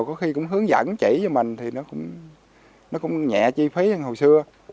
có khi cũng hướng dẫn chỉ cho mình thì nó cũng nhẹ chi phí hơn hồi xưa